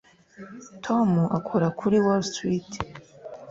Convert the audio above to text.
Tom akora kuri Wall Street